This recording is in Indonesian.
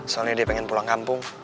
soalnya dia pengen pulang kampung